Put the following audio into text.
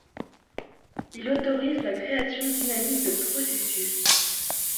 Il autorise la création dynamique de processus.